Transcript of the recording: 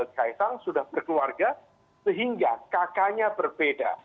kaisang sudah berkeluarga sehingga kakaknya berbeda